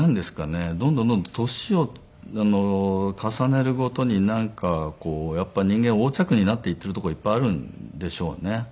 どんどんどんどん年を重ねるごとになんかこうやっぱり人間横着になっていっているとこがいっぱいあるんでしょうね。